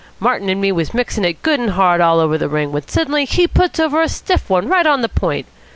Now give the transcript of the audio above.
Martin and me was mixing it good and hard all over the ring, when suddenly he puts over a stiff one right on the point.